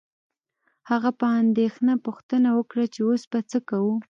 هغه په اندیښنه پوښتنه وکړه چې اوس به څه کوو